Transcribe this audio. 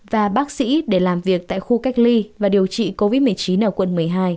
và bác sĩ để làm việc tại khu cách ly và điều trị covid một mươi chín ở quận một mươi hai